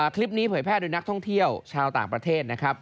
เผยแพร่โดยนักท่องเที่ยวชาวต่างประเทศนะครับ